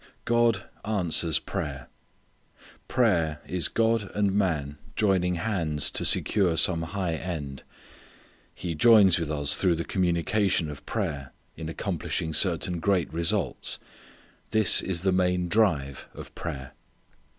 God answers prayer. Prayer is God and man joining hands to secure some high end. He joins with us through the communication of prayer in accomplishing certain great results. This is the main drive of prayer.